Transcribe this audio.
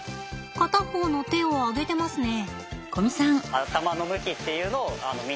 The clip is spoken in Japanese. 片方の手を上げてますね。